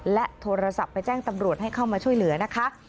และโทรศัพท์ไปแจ้งตำรวจให้เข้ามาช่วยเหลือนะคะ